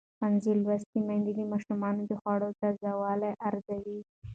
ښوونځې لوستې میندې د ماشومانو د خوړو تازه والی ارزوي.